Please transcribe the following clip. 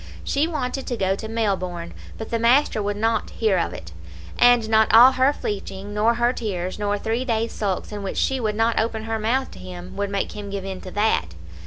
She wanted to go to Melbourne, but the master would not hear of it; and not all her fleeching, nor her tears, nor three days' sulks, in which she would not open her mouth to him, would make him give in to that.